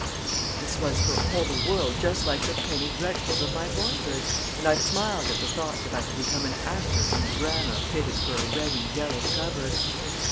Why, this was, for all the world, just like the penny dreadfuls of my boyhood and I smiled at the thought that I had become an actor in a drama fitted for a red and yellow cover!